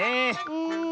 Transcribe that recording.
うん。